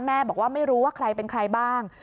แม่บอกว่าไม่รู้ว่าใครเป็นใครบ้าง